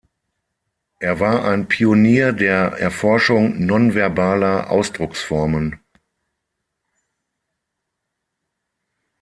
Er war ein Pionier der Erforschung nonverbaler Ausdrucksformen.